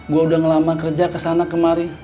gue udah ngelama kerja kesana kemari